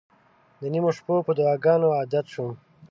د نیمو شپو په دعاګانو عادت شوم.